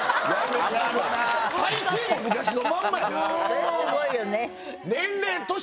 それすごいよね。